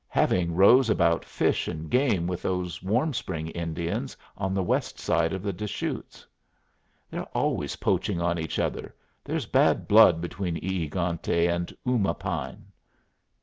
"Having rows about fish and game with those Warm Spring Indians on the west side of the Des Chutes." "They're always poaching on each other. There's bad blood between E egante and Uma Pine."